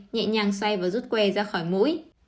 nhẹ nhàng xoay và rút que ra khỏi mũi